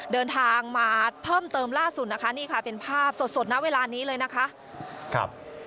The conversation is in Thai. เดินทางมาเพิ่มเติมล่าสุดนะคะนี่ค่ะเป็นภาพสดสดนะเวลานี้เลยนะคะครับ